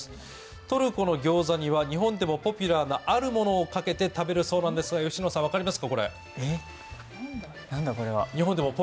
トルコのギョウザには日本でもポピュラーなあるものをかけて食べるそうですが、吉野さん、分かりますか？